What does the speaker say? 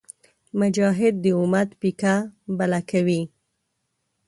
مجاهد د امت پیکه بله کوي.